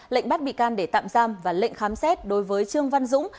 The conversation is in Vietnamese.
lệnh bắt bị can để tạm giam và lệnh khám xét đối với trương văn dũng